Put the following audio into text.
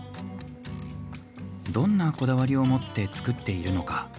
どんなこだわりを持って作っているのか。